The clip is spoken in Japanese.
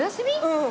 うん。